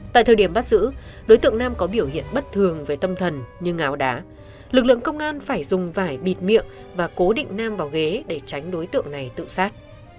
tại thời điểm bắt giữ đối tượng nam có biểu hiện bất thường về tâm thần như ngáo đá lực lượng công an phải dùng vải bịt miệng và cố định nam vào ghế để tránh đối tượng này tự sát